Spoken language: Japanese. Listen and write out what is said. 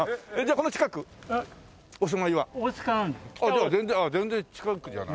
じゃあ全然近くじゃない。